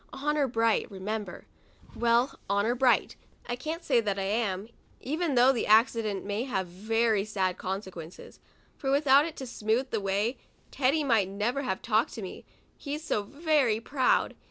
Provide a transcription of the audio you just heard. Honor bright, remember. Well, honor bright, I can't say that I am, even though the accident may have very sad consequences, for without it to smoothe the way, Teddy might never have talked to me, he's so very proud.